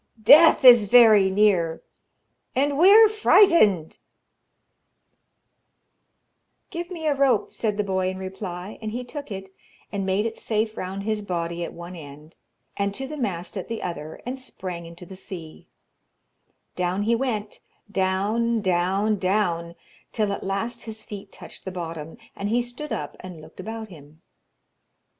'Death is very near, and we are frightened!' [Illustration: THE SEA MAIDEN WITH A WICKED FACE] 'Give me a rope,' said the boy in reply, and he took it, and made it safe round his body at one end, and to the mast at the other, and sprang into the sea. Down he went, down, down, down, till at last his feet touched the bottom, and he stood up and looked about him.